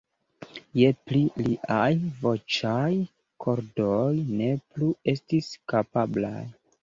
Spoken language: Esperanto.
Je pli liaj voĉaj kordoj ne plu estis kapablaj.